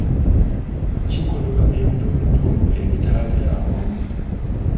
kikolebwa ebitundutundu ebitabe awamu